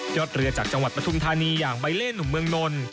เรือจากจังหวัดปฐุมธานีอย่างใบเล่หนุ่มเมืองนน